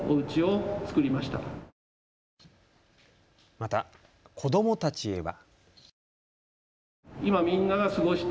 また、子どもたちへは。